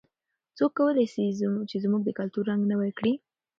څوک کولای سي چې زموږ د کلتور رنګ نوی کړي؟